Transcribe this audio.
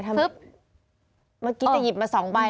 เมื่อกี้จะหยิบมา๒ใบ